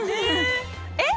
えっ！